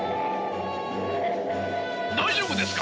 大丈夫ですか？